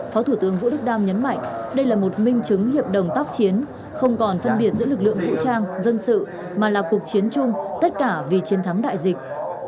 phó thủ tướng vũ đức đam nhấn mạnh đây là một minh chứng hiệp đồng tác chiến không còn phân biệt giữa lực lượng vũ trang dân sự mà là cuộc chiến chung tất cả vì chiến thắng đại dịch